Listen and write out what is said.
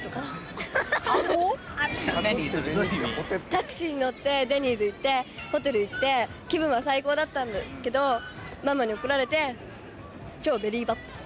タクシーに乗ってデニーズ行ってホテル行って気分は最高だったんだけどママに怒られて超ベリーバッド